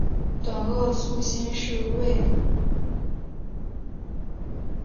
短萼素馨是木犀科素馨属的植物。